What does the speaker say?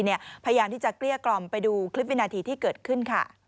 พยายามที่จะเกลี้ยกล่อมไปดูคลิปวินาทีที่เกิดขึ้นค่ะ